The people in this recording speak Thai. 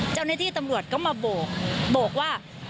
เจ้าหน้าที่ตำรวจก็มาบอกว่า